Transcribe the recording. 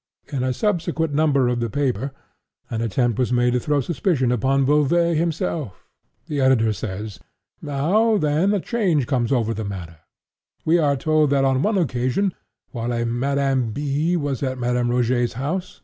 In a subsequent number of the paper, an attempt was made to throw suspicion upon Beauvais himself. The editor says: "Now, then, a change comes over the matter. We are told that on one occasion, while a Madame B—— was at Madame Rogêt's house, M.